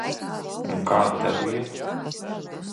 Un kā tev iet?